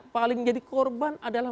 paling jadi korban adalah